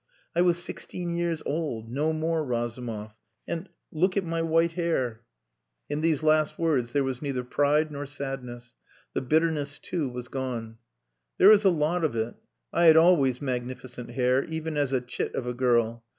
I was sixteen years old no more, Razumov! And look at my white hair." In these last words there was neither pride nor sadness. The bitterness too was gone. "There is a lot of it. I had always magnificent hair, even as a chit of a girl.